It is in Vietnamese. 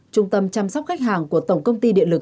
trung tâm chăm sóc khách hàng của tổng công ty điện lực